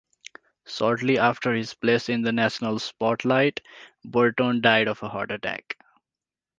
Shortly after his place in the national spotlight, Burton died of a heart attack.